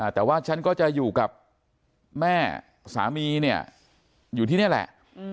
แต่ว่าฉันก็จะอยู่กับแม่สามีเนี่ยอยู่ที่นี่แหละ